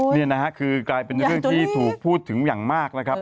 นี่นะฮะคือกลายเป็นเรื่องที่ถูกพูดถึงอย่างมากนะครับ